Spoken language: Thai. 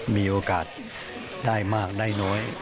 มีโอกาสได้มากได้น้อย